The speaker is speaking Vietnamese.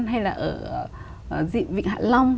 hay là ở vịnh hạ long